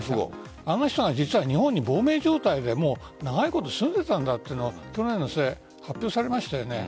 あの人が実は日本に亡命状態で長いこと住んでいたんだというのを去年の暮れに発表されましたよね。